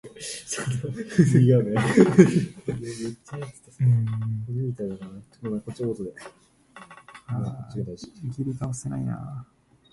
The King's Commissioner of Friesland is Arno Brok.